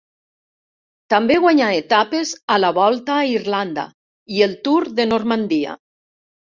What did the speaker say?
També guanyà etapes a la Volta a Irlanda i el Tour de Normandia.